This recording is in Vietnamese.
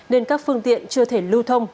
nên các phương tiện chưa thể lưu thông